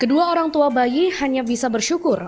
kedua orang tua bayi hanya bisa bersyukur